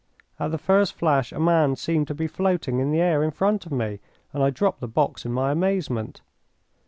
At the first flash a man seemed to be floating in the air in front of me, and I dropped the box in my amazement.